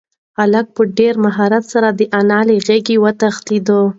هلک په ډېر مهارت سره د انا له غېږې وتښتېد.